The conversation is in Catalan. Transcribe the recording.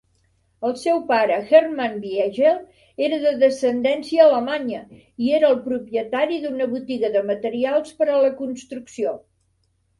El seu pare, Hermann Biegel, era de descendència alemanya, i era el propietari d'una botiga de materials per a la construcció.